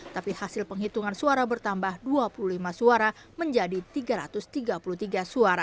tapi hasil penghitungan suara bertambah dua puluh lima suara menjadi tiga ratus tiga puluh tiga suara